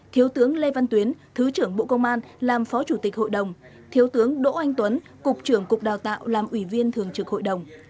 thiếu tướng lê văn tuyến thứ trưởng bộ công an làm phó chủ tịch hội đồng thiếu tướng đỗ anh tuấn cục trưởng cục đào tạo làm ủy viên thường trực hội đồng